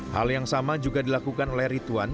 hal yang sama juga dilakukan oleh rituan